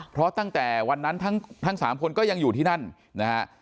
เพราะตั้งแต่วันนั้นทั้ง๓คนก็ยังอยู่ที่นั่นนะฮะ